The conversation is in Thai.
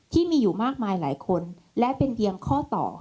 ที่มีอยู่มากมายหลายคนและเป็นเพียงข้อต่อ